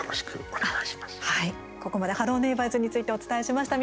はい、ここまで「ハロー！ネイバーズ」についてお伝えしました。